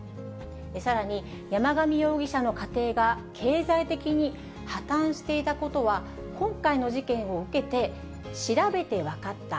さらに、山上容疑者の家庭が経済的に破綻していたことは、今回の事件を受けて調べて分かった。